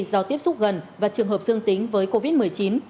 do tiếp xúc gần và trường hợp dương tính với covid một mươi chín